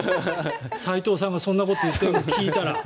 斎藤さんがそんなことを言っているのを聞いたら。